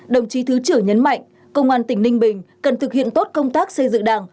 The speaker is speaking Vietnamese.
đồng chí thứ trưởng nhấn mạnh công an tỉnh ninh bình cần thực hiện tốt công tác xây dựng đảng